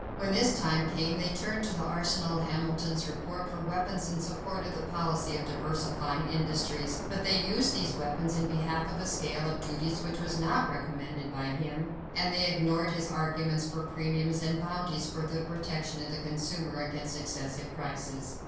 When this time came, they turned to the arsenal of Hamilton's report for weapons in support of the policy of diversifying industries; but they used these weapons in behalf of a scale of duties which was not recommended by him and they ignored his arguments for premiums and bounties for the protection of the consumer against excessive prices.